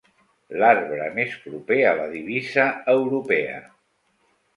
L'arbre més proper a la divisa europea.